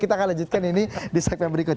kita akan lanjutkan ini di saat yang berikut